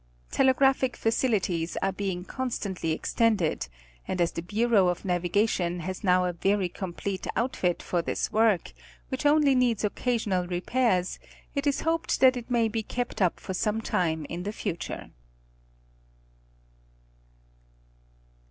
Tele graphic facilities are being constantly extended, and as the Bureau of Navigation has now a very complete outfit for this work, which only needs occasional repairs, it is hoped that it may be kept up for some time in the future.